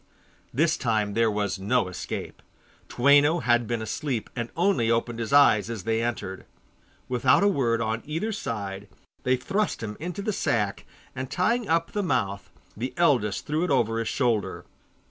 This time there was no escape. Toueno had been asleep, and only opened his eyes as they entered. Without a word on either side they thrust him into the sack, and tying up the mouth, the eldest threw it over his shoulder.